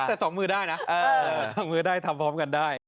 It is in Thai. แต่๒มือได้นะ๒มือได้ทำพร้อมกันได้